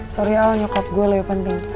sorry al nyokap gue lebih penting